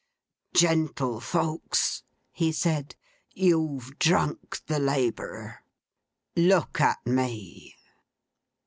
'Gentlefolks!' he said. 'You've drunk the Labourer. Look at me!